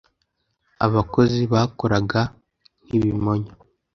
Abakozi bakoraga nkibimonyo.